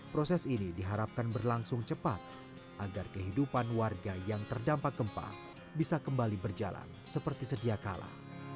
proses ini diharapkan berlangsung cepat agar kehidupan warga yang terdampak gempa bisa kembali berjalan seperti sedia kala